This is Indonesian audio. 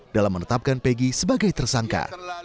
dalam menetapkan peggy sebagai tersangka